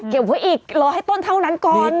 ไว้อีกรอให้ต้นเท่านั้นก่อน